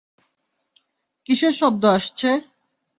কীসের শব্দ আসছে?